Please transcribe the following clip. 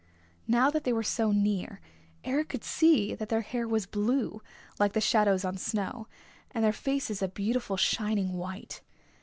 Now that they were so near Eric could see that their hair was blue, like the shadows on snow, and their faces a beautiful shining white.